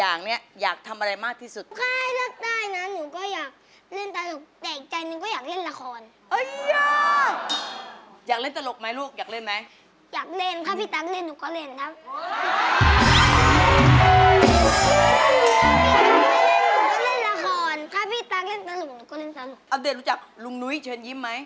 อัปเดตรู้จักลุงนุ้ยเชิญยิ้มไหม